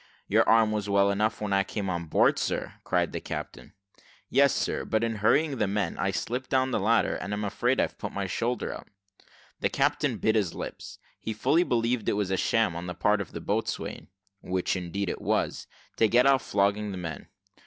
"Your arm was well enough when I came on board, sir," cried the captain. "Yes, sir; but in hurrying the men up, I slipped down the ladder, and I'm afraid I've put my shoulder out." The captain bit his lips; he fully believed it was a sham on the part of the boatswain (which indeed it was), to get off flogging the men.